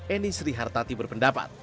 eni sri hartati berpendapat